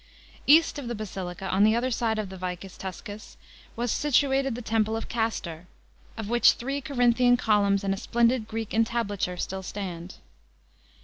East of the Basilica, on the other side of the Vicus Tuscus, was situated the Temple of Castor, of which three Corinthian columns and a splendid Greek entablature still stand.